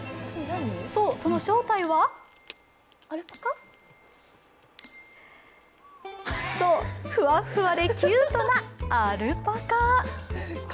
そう、その正体はふわっふわでキュートなアルパカ。